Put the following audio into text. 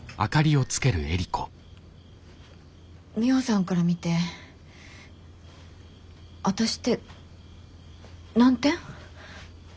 ミホさんから見て私って何点？